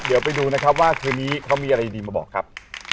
เดี๋ยวไปดูนะครับว่าเทปนี้เขามีอะไรดีมาบอกครับ